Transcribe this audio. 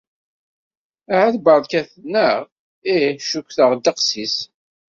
Ahat beṛka, naɣ? Ih, cukkteɣ ddeq-is.